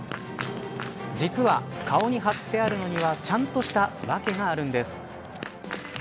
実は顔に貼ってあるのにはちゃんとした訳があるんです。